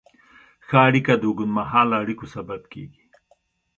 ښه اړیکه د اوږدمهاله اړیکو سبب کېږي.